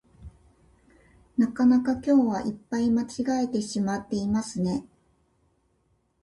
なかなか今日はいっぱい間違えてしまっていますね